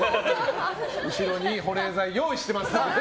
後ろに保冷剤を用意してますのでね。